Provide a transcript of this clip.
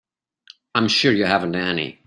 I'm sure you haven't any.